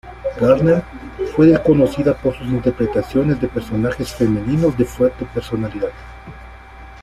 Gardner fue conocida por sus interpretaciones de personajes femeninos de fuerte personalidad.